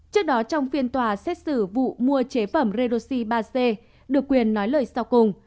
trước đó trong phiên tòa xét xử vụ mua chế phẩm redoxi ba c được quyền nói lời sau cùng